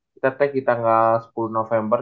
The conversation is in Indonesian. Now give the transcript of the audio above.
kita tag di tanggal sepuluh november